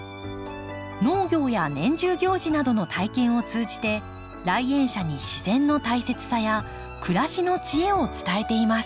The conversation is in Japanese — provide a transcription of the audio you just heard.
農業や年中行事などの体験を通じて来園者に自然の大切さや暮らしの知恵を伝えています。